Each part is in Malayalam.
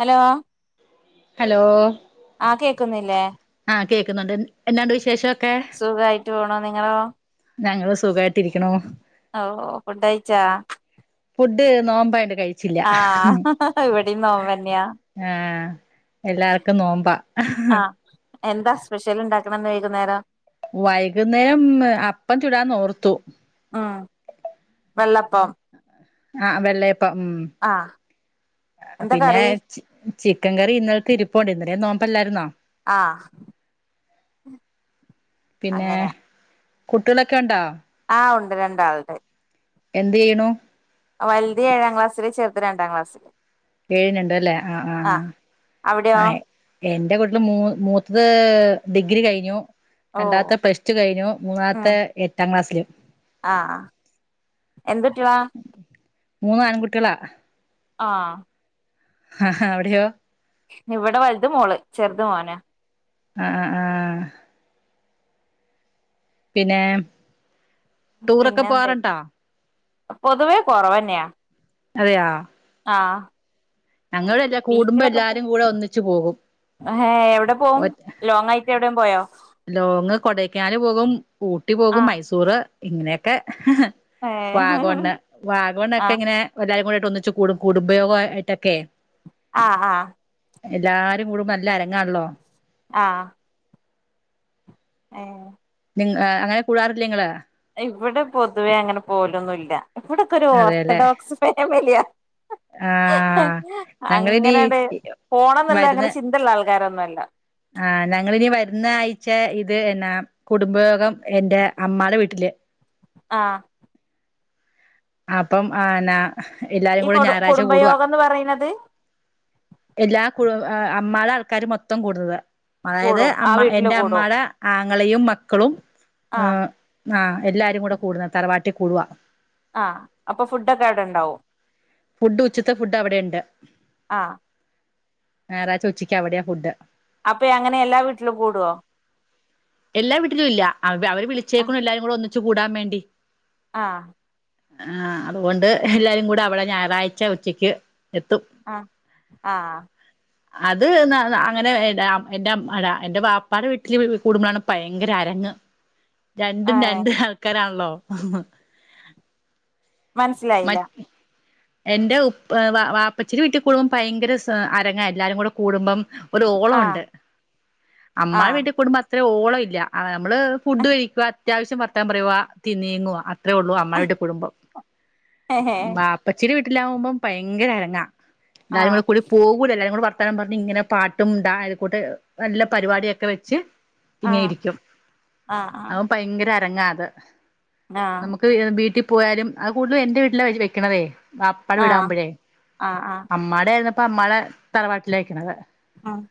ഹലോ ഹലോ ആഹ് കേക്കുന്നില്ലേ ആഹ് കേൾക്കുന്നുണ്ട് എന്താണ്ട് വിശേഷം ക്കെ സുഖയിട്ട് പോണോ നിങ്ങളോ ഞങ്ങള് സുഖാ ഓഹ് ഫുഡയിച്ചാ ഫുഡ് നോമ്പായോണ്ട് കഴി ആഹ് ഇവി ടീം നോമ്പന്നെയാ ആഹ് എല്ലാർക്കും നോമ്പാ ആ എന്താ സ്പെഷ്യൽ ഉണ്ടാക്കണ വൈക്കുന്നേരം വൈകുന്നേരം അപ്പം ചൂടാന്ന് ഓർത്തു ആഹ് വെള്ളപ്പം ആഹ് വെള്ളയപ്പ ഉം ആ എന്താ പിന്നെ കറി ചി ചിക്കൻ കറി ഇന്നലെത്തെ ഇരിപ്പുണ്ട്, ഇന്നലെ നോമ്പ് അല്ലായിരുന്നോ. ആ പിന്നെ അങ്ങനെ കുട്ടികളൊക്കെ ഉണ്ടോ? ആഹ് ഉണ്ട് രണ്ടാള് ഉണ്ട്. എന്ത് ചെയ്യണോ? വലുതി ഏഴാം ക്ലാസ്സില് ചെറുത്‌ രണ്ടാം ക്ലാസ്സില്. ഏഴും രണ്ടും അല്ലേ, ആഹ് ആ ആഹ് അവിടെയോ ആഹ്. എന്റെ കുട്ടികൾ മൂ മൂത്തത് ഡിഗ്രി കഴിഞ്ഞു. ഓ രണ്ടാമത്തെ പ്ലസ് ടു കഴിഞ്ഞു, മൂന്നാമത്തെ എട്ടാം ക്ലാസ്സില്. ആഹ് എന്തു കുട്ടികള് മൂന്ന് ആൺകുട്ടികളാ. ആഹ് ആഹ് അവിടെയോ? ഇവിടെ വലുത് മോള് ചെറുത് മോൻ. ആഹ് ആഹ് ആഹ് പിന്നെ ടൂറൊക്കെ പിന്നെ എന്തെ, പോവാറുണ്ടോ പൊതുവേ കൊറവ് തന്നെയാ. അതെയോ ആഹ് കൂടുമ്പോ ബീച്ചിലൊക്കെ പോ എല്ലാരും കൂടെ ഒന്നിച്ചു പോകും എവിടെ പോകും ലോങ് ആയി. എവിടെയോ പോയോ? ലോങ് കൊടൈക്കനാൽ പോകും, ഊട്ടി പോകും, ആഹ് മൈസൂറ് ഇങ്ങനെയൊക്കെ. ഏ വാഗമൺ വാഗമൺ ഒക്കെ ആഹ് ഇങ്ങനെ എല്ലാരും കൂടെയിട്ട് ഒന്നിച്ച് കൂടും കുടുംബയോഗ ആയിട്ട് ഒക്കെയേ. ആഹ് ആഹ് എല്ലാരും കൂടുമ്പോൾ നല്ല അരങ്ങാണല്ലോ. ആഹ് ഏഹ് നിങ്ങ അങ്ങനെ കൂടാറില്ല നിങ്ങളെ? ഇവിടെ പൊതുവേ അങ്ങനെ പോകലൊന്നുമില്ല, ഇവിടെ ഒക്കെ ഒരു അതെല്ലെ ഓർത്തഡോക്സ് ഫാമിലിയാ. ആ ഞങ്ങളിനി അങ്ങനയേണ്ടേ പോണയെന്നുള്ള അങ്ങനെ വരുന്ന ചിന്തയുള്ള ആൾക്കാർ ഒന്നുമല്ല. ആഹ് ഞങ്ങൾ ഇനി വരുന്ന ആഴ്ച ഇത് എന്നാ. കുടുംബയോഗം എന്റെ അമ്മടെ വീട്ടില്. ആഹ് അപ്പം ആഹ് എന്നാ എല്ലാരും ഈ കൂടെ കൊടു ഞായറാഴ്ച കൂടുവാ. കുടുംബയോഗംന്ന് പറയുന്നത് എല്ലാ കുടും അമ്മടെ ആൾക്കാര് മൊത്തം കൂടുന്നത്, അതായത് കൂടും ആ അമ്മ വീട്ടില് എന്റെ കൂടും അമ്മേടെ. ആങ്ങളയും മക്കളും ആഹ് ആഹ് എല്ലാരും കൂടെ കൂടുന്നത് തറവാട്ടിൽ കൂടുവാ. ആഹ് അപ്പൊ ഫുഡ് ഒക്കെ അവിടെ ഉണ്ടോ? ഫുഡ് ഉച്ചത്തെ ഫുഡ് അവിടെയുണ്ട്, ആഹ് ഞായറാഴ്ച്ച ഉച്ചക്ക് അവിടെയാ ഫുഡ്. അപ്പേ അങ്ങനെ എല്ലാ വീട്ടിലും കൂടുവോ? എല്ലാ വീട്ടിലും ഇല്ല അവ അവര് ആഹ് വിളിച്ചേക്കുന്നേ എല്ലാരുകൂടെ ഒന്നിച്ചു കൂടാൻ വേണ്ടി. ആഹ് ആഹ് അതുകൊണ്ട് എല്ലാരുകൂടെ അവിടെ ഞായറാഴ്ച ഉച്ചയ്ക്ക് എത്തും. ആഹ് ആഹ് അത് എന്നാ അങ്ങനെ എ എൻ്റെ ഉമ്മടെ എൻ്റെ ബാപ്പാടെ വീട്ടില് കൂടുമ്പളാണ് ഭയങ്കര അരങ്ങ്. ഏ രണ്ടും രണ്ട് ആൾക്കാരാണല്ലോ. മനസ്സിലായി. മറ്റ് എന്റെ ഉപ്പ വാപ്പച്ചിടെ വീട്ടിൽ കൂടുമ്പോം ഭയങ്കര അരങ്ങ് എല്ലാരും കൂടെ കൂടുമ്പോ. ഒരു ഓളം ആഹ് ഒണ്ട്, അമ്മാടെ ആഹ് വീട്ടിൽ കൂടുമ്പോ അത്ര. അത്ര ഓളോഇല്ല ആ നമ്മള് ഫുഡ് കഴിക്ക അത്യാവശ്യം വർത്താനം പറയുവ തീ നീങ്ങുവ അത്രേഉള്ളൂ ആഹ് അമ്മയുടെ കുടുംബം ആഹ് മാ ഇപ്പച്ചിടെ വീട്ടിലാകുമ്പം ഭയങ്കര അരങ്ങ എല്ലാരുംകൂടെ ആഹ് കൂടി പോകൂല എല്ലാരും വർ വർത്താനം പറഞ് ഇങ്ങനെ പാട്ടും ഡാൻ അയൽക്കൂട്ട് നല്ല പരിപാടിയൊക്കെ വെച്ച് ഇങ്ങനെ ആഹ് ആഹ് ഇരിക്കുംഅപ്പൊ ഭയങ്കര അരങ്ങാത് ആഹ് ത്, വീട്ടി പോയാലും അത് കൂടുതലും എന്റെ വീട്ടിലാ അവര് വെക്കാതെ വാപ്പാട ആഹ് വിടാകുമ്പോഴേ ആഹ് ആഹ് അമ്മാടെ ആയിര്ന്നപ്പ അമ്മാടെ തറവാട്ടിലക്കണത് ആഹ്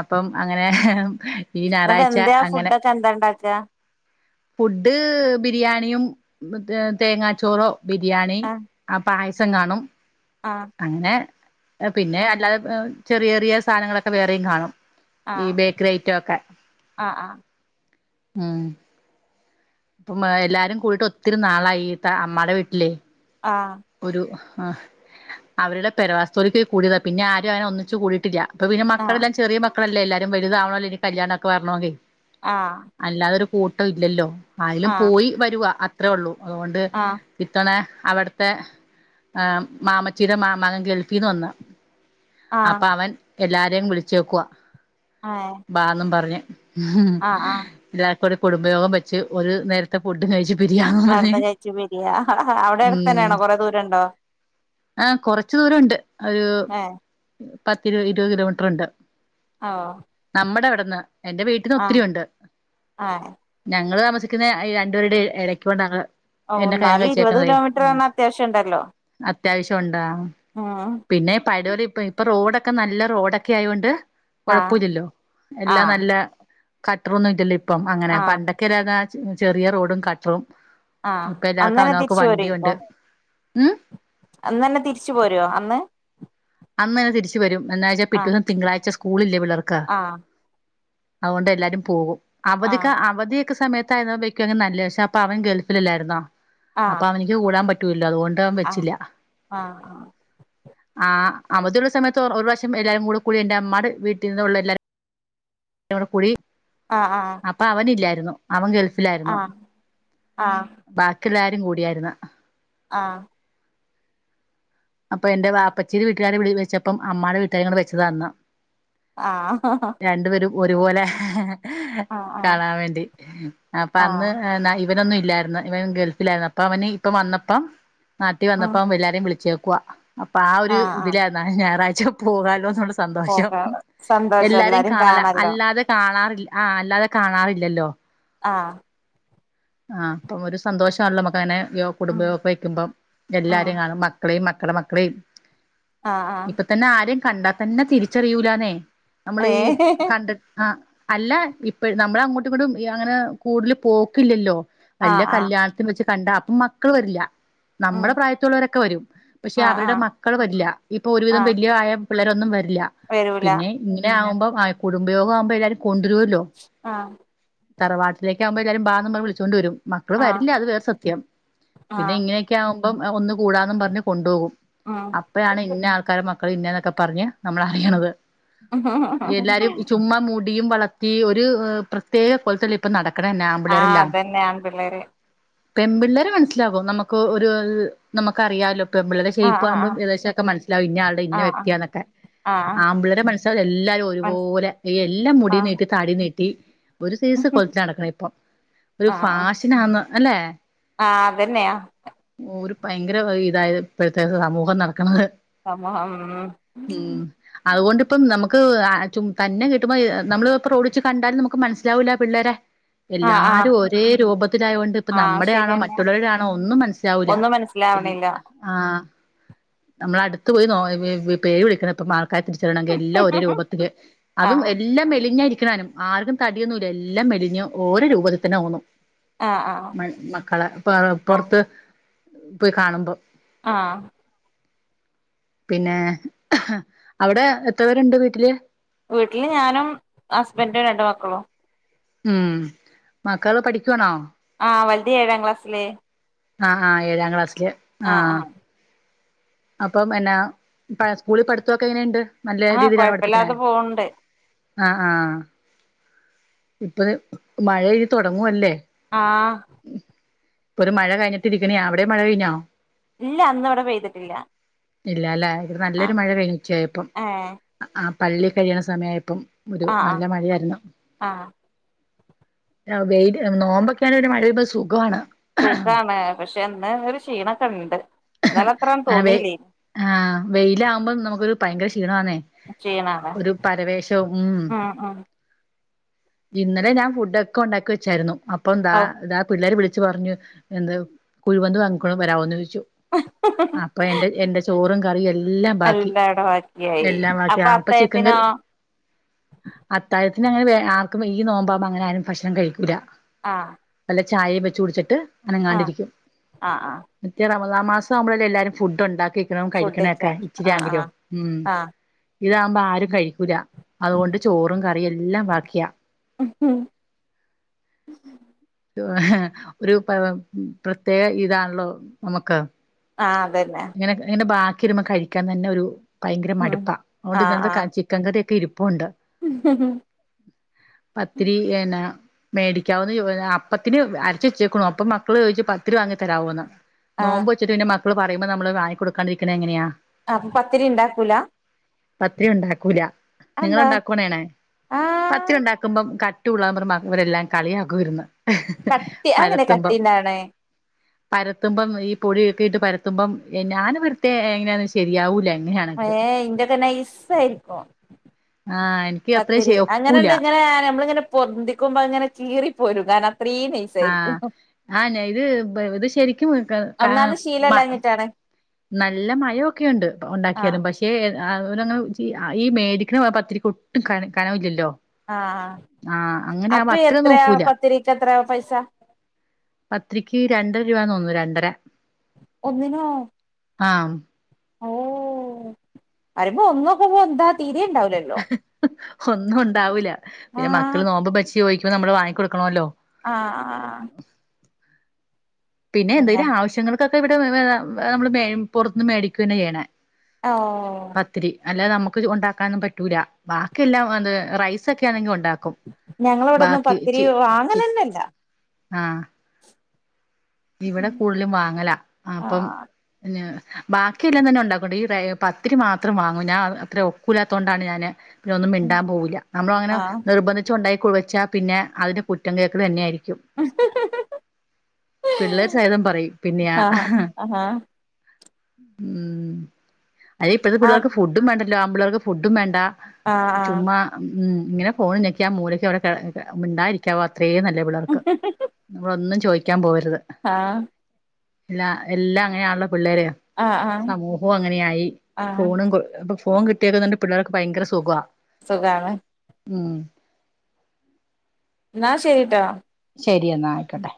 അപ്പം അങ്ങനെ ഈ എന്നിട്ട് ഞായറാഴ്ച എന്താ അങ്ങനെ ഫുഡൊക്കെ എന്താ ഇണ്ടാക്കാ ഫുഡ് ബിരിയാണിയും തേങ്ങാച്ചോറോ ബിരിയാണി ആഹ് പായസം കാണും ആഹ് അങ്ങനെ പിന്നെ ഏഹ് അല്ലാതെ ഏ ചെറിയ ചെറിയ സാധനങ്ങളൊക്കെ വേറെയും കാണും ഈ ആഹ് ബേക്കറി ഐറ്റയൊക്കെ ആഹ് മം ഇപ്പം എല്ലാരും കൂടിട്ട് ഒത്തിരി നാളായി അമ്മാടെ വീട്ടിലെ ആഹ് ഒരു ആഹ് അവരുടെ പെരവസ്തുലിക്ക് കൂടിയതാ പിന്നെ ആരും അങ്ങനെ ഒന്നിച്ച് കൂടിയിട്ടില്ല ഇപ്പൊ പിന്നെ ആഹ് മക്കളെല്ലാം ചെറിയ മക്കളല്ലേ എല്ലാരും വലുതാവണല്ലോ ഇനി കല്യാണോക്കെ വരോണോങ്കി ആഹ് അല്ലാതൊരു കൂട്ടം ഇല്ലല്ലോ ആയലും ആഹ് പോയി വരുക അത്രേ ഉള്ളൂ അതുകൊണ്ട് ആഹ് ഇത്തവണ അവിടുത്തെ ഏ മാമച്ചിടെ മാ മാകൻ ഗൾഫീന്ന് വന്ന് ആഹ് ആഹ് അപ്പൊ അവൻ എല്ലാരെയും വിളിചെക്കൂവാ ഏഹ് ബാന്നും പറഞ്ഞ് ആഹ് ആഹ് എല്ലാർക്കും കുടുംബയോഗം വെച്ച് ഒരു നേരത്തെ ഫുഡ് കഴിച്ച് പിരിയാന്നും പറഞ്ഞ് അവിടുന്ന് കയിച്ചു പിരിയാ അവിടെ അടുത്തന്നെയാണോ കൊറെ ദൂരണ്ടോ ആഹ് കൊറച്ചു ദൂരണ്ട് ഒരു ഏഹ് പത്തിരുപത് ഇരുവത് കിലോമീറ്റർ ഉണ്ട് ആഹ് നമ്മടെ അവിടുന്ന് എന്റെ വീട്ടിന്ന് ഒത്തിരിയുണ്ട് ഏഹ് ഞങ്ങള് താമസിക്കുന്ന ഏ രണ്ടുപേരുടെ ഇരയ്ക്ക്ണ്ടാണ് ഓ ഇന്നലും ഇരുവത് കിലോമീറ്റർ ആണ് അത്യാവശ്യണ്ടല്ലോ അത്യാവശ്യണ്ടോ ആഹ് പിന്നെ പയ്ടലെ ഇപ്പ ഇപ്പൊ റോഡൊക്കെ നല്ല റോഡൊക്കെ ആയൊണ്ട് ആഹ് കൊഴപ്പൊല്ലല്ലോ എല്ലാം ആഹ് നല്ല കട്ടറ്ന്നും ഇല്ലല്ലോ ഇപ്പം അങ്ങനെ ആഹ് പണ്ടൊക്കെ ചെറിയതച്ച് ചെറിയ റോഡും കട്ടറും ആഹ് ഇപ്പ എല്ലാക്ക അവനൊക്ക് തിരിച്ചു വണ്ടിയുണ്ട് പോരേക്കും ഉം അന്നന്നെ തിരിച്ചു പോരോ അന്ന് അന്നന്നെ തിരിച്ച വരും എന്നച്ചാ ആഹ് പിറ്റന്ന് തിങ്കാഴ്ച സ്കൂളില്ലേ പിളർക്ക് ആഹ് അത്കൊണ്ട് എല്ലാരും പോകും അവധിക്ക ആഹ് അവധിയൊക്കെ സമയത്ത് ആയതോണ്ട് ക്ണ് നല്ല പക്ഷെ അപ്പൊ അവൻ ഗൾഫില്ല്ലായിരുന്നോ അപ്പൊ അവനിക്ക് കൂടാ പറ്റൂലല്ലോ അതുകൊണ്ട് ട്ടാൻ ആഹ് വേച്ചില്ല ആഹ് ആഹ് അവധിയുള്ള സമയത്ത് ഒര് ഒരു പ്രശം എല്ലാരും കൂടെ കൂടി എന്റർ അമ്മടെ വീട്ടിൽ നിന്നുള്ള എല്ലാരും ടെ കുടി ആഹ് ആഹ് അപ്പ അവനല്ലായിരുന്നു അവൻ ഗൾഫിലായിരുന്നു ആഹ് ആഹ് ബാക്കി എല്ലരും കൂടിയാര്ന്ന് ആഹ് അപ്പൊ എന്റെറെ വാപ്പാച്ചിടെ വീട്ടുകാരെ വിളി വെച്ചപ്പോ അമ്മടെ വീട്ടുകാരും കൂടെ വെച്ചതാ അന്ന് ആഹ് രണ്ടു പേരും ഒരുപോലെ ആഹ് ആഹ് കാണാൻ വേണ്ടി അപ്പൊ അന്ന്ന ആഹ് എന്നാല് ഇവനൊന്നു ഇല്ലായിര്ന്ന ഇവൻ ഗൾഫിലായിരുന്നു പ്പൊ അവന് ഇപ്പ വന്നപ്പം നാട്ടി ഉം വന്നപ്പോ എല്ലാരേം വിളിച്ചേക്കുആ അപ്പൊ ആഹ് ഒരു ഇതിലായിന്ന ഞായറാഴ്ച പോകാലോന്നുള്ള പോകാണ് സന്തോഷം സന്തോഷംഎല്ലാരേം എല്ലാരിം കാണല കാണല്ലോ അത് കാണാറ് ആഹ് അല്ലാതെ കാണാറില്ലല്ലോ ആഹ് ആഹ് പ്പം ഒരു സന്തോഷണല്ലോ മ്മക്ക് അങ്ങനെ ഉം കുടുംബൊയൊ ക്കെ വെക്കുമ്പോ ഉം എല്ലാരെയ കാണും മക് ളെ മക്കളെമക്കളെ ആഹ് ആഹ് ത്തന്ന ആരും കണ്ടാ തന്നെ തിരിച്ചറിയൂലന്നെ നമ്മള് ഈ ഏഹ് കണ്ടിട് ആഹ് അല്ല ഇപ്പഴ് നമ്മള അങ്ങോട്ടും ഇങ്ങോട്ടും അങ്ങനെ കൂടുല് പോക്കില്ലല്ലോ ആഹ് വല്ല ആഹ് കല്യാണ തിവെച്ച് കണ്ട അപ്പം മക്കൾ വരില്ല ഉം നമ്മടെ പ്രായത്തുള്ളവരൊക്കെ വരും പക്ഷെ ആഹ് അവരുടെ ആഹ് മക്കൾ വരില്ല ഇപ്പൊ ഒരുവിധം ആഹ് വല്യആയ പിള്ളേരൊന്നും വരില്ല വരൂല പിന്നെ ഇങ്ങനെ ആവുമ്പോ ആഹ് കുടുംബയോഗം ആവുമ്പോ എല്ലാവാരും കൊണ്ട്രൂല്ലോ ആഹ് തറവാട്ടിലേക് ആഉമ്പോൾ എല്ലരും ബാന്ന് പറഞ്ഞ് വിളിച്ചോണ്ട് വരും മക്കള് ആഹ് വരില്ല അത് വേറെ സത്യം പിന്നെ ആഹ് ഇങ്ങനെ ക്കെ ആഉമ്പോ എഹ് ഒന്ന് കൂടാന്നും പർഞ് കൊണ്ടോവും ഉം അപ്പഴാണ് ഇന്ന ആൾക്കാര് മക്കൾ ഇന്നേന്നൊക്കപറഞ്ഞ് നമ്മള് ആഹ് അറിയണത് എല്ലാരും ചുമ്മാ മൂട് ടിയും വളത്തി ഒരു പ്രത്യേക കൊലതില് ഇപ്പ നടക്നന്നെ ആഹ് അതന്നെ ആമ്പിള്ളേര് പെമ്പിള്ളേര് മനസ്സിലാവും നമുക്ക് ഒരു നമുക്കറിയാലോ പെമ്പിള്ളെരെ ആഹ് ഷേയ്പ് ആവുബം ആഹ് ഏകദേശൊക്കെ മനസിലാവും ഇന്നയാളുടെ ഇന്ന ആഹ് ആഹ് വ്യക്തിയന്ന്ക്കെ ആമ്പിളരെ മനസ്എല്ലാരും ആഹ് ഒരുപോലെ എല്ലാം മുടി ആഹ് നീട്ടി താടിനീട്ടി ഒരു ആഹ് സെയ്സ് കൊല്ത്തി നടക്കണ ഇപ്പം ഒരു ഫാഷനാന്ന് അല്ലെ ആഹ് അതന്നെ ആഹ് ഒരു പയങ്കര ഇതായത് ഇപ്പോഴത്തെ സമൂഹം നടക്കണത് ആം ഹം ഉം അതുകൊണ്ടിപ്പം നമുക്ക് ആ ചും തന്നെ കിട്ടുമ്പോ നമ്മള് ഇപ്പോ റോഡിൽ വച്ച് കണ്ടാലും നമുക്ക് മനസ്സിലാവൂല്ല പിള്ളേരെ- ആഹ് ആഹ് എല്ലാരും ഒരേ രൂപത്തിലായൊണ്ട് ഇപ്പോ ആഹ് നമ്മുടെ ആണോ ശരിയന്നെ മറ്റുള്ളവരുടെ ആണോ ഒന്നും മനസ്സിലാവൂല്ല. ഒന്നും മനസ്സിലാവണില്ല. ആഹ് നമ്മള് അടുത്ത് പോയി നോ പേര് വിളിക്കണം ഇപ്പോ- ക്ക തിരിച്ചറിയണങ്കിൽ എല്ലാം ഒരു രൂപത്തില് അതും ആഹ് എല്ലാം മെളിഞ്ഞരിക്ണേനും ആർക്കും തടിയൊന്നുല്ല എല്ലാം മെലിഞ്ഞ് ഓര് രൂപത്തിന്നെ ഓന്നുന്നു. ആഹ് ആഹ് മൺമക്കളെപ ആഹ് പൊറത്ത് പോയി കാണുമ്പോ ആഹ് പിന്നെ അവിടെ എത്ര വരുണ്ട് വീട്ടില് വീട്ടില് ഞാനും ഹസ്ബൻഡും രണ്ടു മക്കളും. ഉം മക്കള് പഠിക്കണോ? ആഹ് വല്ല്യേ ഏഴാം ക്ലാസ്സില്. ആഹ് ആഹ് ഏഴാം ക്ലാസ്സില്- ആഹ് ആഹ്. അപ്പോ പിന്നെ സ്കൂളിൽ പഠിത്തൊക്കെ എങ്ങനെയുണ്ട് നല്ല ആഹ് രീതിയിലാണ് പഠിപ്പിക്കണോ- കൊഴപ്പില്ലാതെ പോവ്ണ്ട് ആഹ് ആഹ് ഇപ്പോ മഴ ഇനി തുടങ്ങുവല്ലേ ആഹ് ഒരു മഴ കഴിഞ്ഞിട്ട് ഇരിക്കണയാ അവിടെ മഴ കഴിഞ്ഞോ? ഇല്ല ഇന്ന് ഇവിടെ പെയ്തിട്ടില്ല. ഇല്ലലേ ഇവിടെ നല്ലൊരു ആഹ് മഴ പെയ്തു ഉച്ചയായപ്പോൾ ഏഹ് ആ പള്ളി കഴിയുന്ന സമയായപ്പോ ഇവിടെയും ആഹ് നല്ല ആഹ് മഴയായിരുന്നു. ആഹ് ആഹ് വെയില് നോമ്പൊക്കെയാണെങ്കി ഒരു മഴ പെയ്യുമ്പോ സുഖണ്. സുഖാണ് പക്ഷെ എന്തായാലും ഒരു ക്ഷീണൊക്കെ ഇണ്ട്. ഇന്നലെ അത്രാന്നും അ വ തോന്നിയില്ലേനി ആ് വെയില ആകുമ്പോ നമുക്കൊരു ഭയങ്കര ക്ഷീണമാന്നേ- ക്ഷീണാണ് ഒരു പരവേഷവും ഉം- ഇന്നലെ ഞാൻ ഫുഡ് ഒക്കെ ഉണ്ടാക്കി വെച്ചായിരുന്നു. അപ്പോ എന്താ ഔ ഇതാ പിള്ളേരെ വിളിച്ച്പറഞ്ഞു എന്ത് കുഴിമന്തി വാങ്ങി കൊണ്ട് വരമോന്ന്. ആഹ ആഹ അപ്പോ എന്റെ എന്റെ ചോറും കറിയും എല്ലാം ബാക്കി എല്ലാം ബാക്കി ആഹ- അത്താഴത്തിനോ- അത്തായത്തിന് അങ്ങനെ ആർക്കും വലിയനോമ്പ് ആകുമ്പോ അങ്ങനെ ആരും ഭക്ഷണം കഴിക്കുയില്ല. ആഹ.. വല്ല ചായയെ വെച്ച് കുടിച്ചിട്ട് അനങ്ങാതെ ഇരിക്കും ആ ആ റമദാൻ മാസം നമ്മളല്ല എല്ലാവരും ഫുഡ് ഉണ്ടാക്കിക്ക [unintelligible] കഴിക്കണ ഒക്കെ ഫുഡൊക്കെ ആ ആ ഇച്ചിരിയാങ്കിലോ ഉ ആ ഇതാകുമ്പോ ആരും കഴിക്കൂല്ല അതുകൊണ്ട് ചോറും കറിയും എല്ലാം ബാക്കിയാ- ഉം ഉം.. [inaudible] ഒരു പ്രത്യേക ഇതാണല്ലോ നമുക്ക്- ആ അത് തന്നെ ഇങ്ങനെ ഇങ്ങനെ ബാക്കിരുമ്പോ കഴിക്കാൻ തന്നെ ഒരു ഭയങ്കര ഉം മടുപ്പാ അതൊണ്ട് ഇന്നത്തെ- ചിക്കൻകറി ഒക്കെ ഇരിപ്പുണ്ട്. ഉം ഹ പത്തിരി എന്നനാ- മേടിക്കാവന്ന് അപ്പത്തിന് അരച്ച് വെച്ചേക്കണു അപ്പോ മക്കള് ചോദിച്ചു പത്തി വാങ്ങി തരാവന്ന്. ആ നോമ്പ് വച്ചിട്ട് പിന്നെ മക്കള് പറയുമ്പോ നമ്മള് വാങ്ങികൊടുക്കാതെ ഇരിക്കണേ എങ്ങനെയാ- ആഹ അപ്പോ പത്തിരി ഉണ്ടാക്കൂല്ല. പത്തിരി ഉണ്ടാക്കൂല നിങ്ങൾ അതെന്താ ഉണ്ടാക്കണേണേ ചെയ്യണേ- ആ പത്തിരി ഉണ്ടാക്കുമ്പോ കട്ടിയുള്ള ഇവർ എല്ലാവരും കളിയാക്കുവായിരുന്നു. കട്ടി, അതെങ്ങനെ കട്ടീണ്ടാണ്? പരത്തുമ്പ ഈ. പൊടിയൊക്കെട്ട് പരത്തുമ്പം ഞാൻ പരത്തിയ എങ്ങനെയാലും ശരിയാകൂല. എങ്ങനെയാണ്. ഏ ഇന്റെയൊക്കെ നൈസായിരിക്കും. ആഹ്. ൻ. പത്തിരി അങ്ങനെണ്ട് ഇങ്ങനെ നമ്മളിങ്ങനെ പൊന്തിക്കുമ്പോ ഇങ്ങനെ കീറി പോരും. കാരണം അത്രീം നൈസായി. ആഹ. ആ ഇത് ഇത് ശരിക്കും, ക ഒന്നാമത് മ - ശീലല്ലാഞ്ഞിട്ടാണ് നല്ല മയക്കെണ്ട്. ആ ഉണ്ടാക്കിയാലും. പക്ഷെ ഈ മേടിക്കുന്ന പത്തിരിക്ക് ഒട്ടും കനമില്ലല്ലോ- ആഹ അപ്പോ എത്രയാ നോക്കൂല പത്തിരിക്ക് എത്രയാ പൈസ- പത്തിരിക്ക് രണ്ടര രൂപ തോന്നു രണ്ടര- ഒന്നിനോ? ആഹ. ഓ പറീമ്പോ ഒന്നോക്കുമ്പോ എന്താ തീരേണ്ടാവൂലത്. ഒന്നും ഉണ്ടാവൂല്ല. പിന്നെ ആഹ് മക്കള് നോമ്പ്പ്ട്ചി ചോദിക്കുമ്പോൾ നമ്മള് വാങ്ങിക്കൊടുക്കണോല്ലോ. ആഹ്. ആഹ. ഹ പിന്നെ അങ്ങനെ എന്തെലും ആവശ്യങ്ങൾക്കൊക്കെ ഇവിടെ നമ്മള് പുറത്ത്ന്ന് മേടിക്കുന്നെ ചെയ്യണെ. ഓ. പത്തിരി, അല്ലാതെ നമുക്ക് ഉണ്ടാക്കാനൊന്നും പറ്റൂല. ബാക്കി എല്ലാം റൈസ് ഒക്കെ ആണെങ്കിൽ ഉണ്ടാക്കും. ഞങ്ങളിവിടൊന്നും ബാക്കി, പത്തിരി ചി ച് വാങ്ങലന്നല്ല ആഹ. ഇവിടെ കൂടുതലും വാങ്ങലാ. അപ്പം ആഹ് പിന്ന- ബാക്കിയെല്ലാം തന്നെ ഉണ്ടാക്കുംട്ടോ. ഈ പത്തിരി മാത്രം വാങ്ങും. ഞാൻ അത്ര ഒക്കൂലാത്തത് കൊണ്ടാണ് ഞാന്. പിന്നൊന്നും മിണ്ടാൻ പോവൂല്ല. നമ്മള അങ്ങനെ ആഹ് നിർബന്ധി- ഉണ്ടാക്കി കുഴച്ച പിന്നെ അതിന്റെ കുറ്റം കേൾക്കല് തന്നെ ആയിരിക്കും. [inaudible] പിള്ളേർ സഹിതം പറയും. പിന്നെയാ. ആഹ് ആഹ് ഉം. അയിനിപ്പഴത്തെ ആഹ് പിള്ളേർക്ക് ഫുഡ്‌. ഫുഡും വേണ്ടല്ലോ, ആമ്പിള്ളേർക്ക് ഫുഡും വേണ്ടാ. ആഹ് ചുമ്മാ - ഉം. ഇങ്ങനെ ഫോണും ഞക്കി ആ മൂലക്ക അവിടെ മിണ്ടായിരിക്കാവോ? അത്രേ നല്ല പിള്ളേർക്ക്. നമ്മളൊന്നും ചോയ്ക്കാൻ പോകരുത്. ആഹ. ഇല്ല, എല്ലാം അങ്ങനെയാണെല്ലോ പിള്ളേര്. ആഹ് സമൂഹവും അങ്ങനെയായി ആഹ് ഫോണും- ഫോൺ കിട്ടിയേക്കുന്നതി പിള്ളേർക്ക് ഭയങ്കര സുഖ. സുഖണ്. ഉം. ന്നാ ശരിട്ടോ. ശരിയെന്നാ ആയിക്കോട്ടെ.